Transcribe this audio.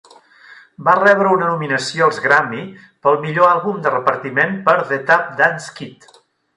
Va rebre una nominació als Grammy pel millor àlbum de repartiment per "The Tap Dance Kid".